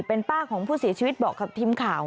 เป็นป้าของผู้เสียชีวิตบอกกับทีมข่าว